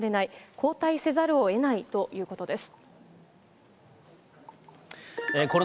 交代せざるをえないということです。